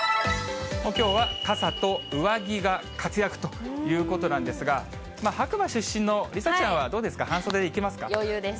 きょうは傘と上着が活躍ということなんですが、白馬出身の梨紗ちゃんは、どうですか、余裕です。